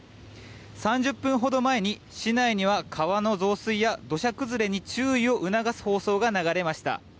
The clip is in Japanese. ３０分ほど前に市内には川の増水や土砂崩れに注意を促す放送が流れました。